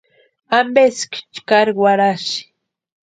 ¿Ampeeski chkari warhasï?